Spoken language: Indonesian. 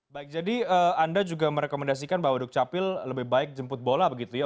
baik jadi anda juga merekomendasikan bahwa dukcapil lebih baik jemput bola begitu ya